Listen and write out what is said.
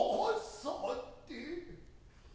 さて。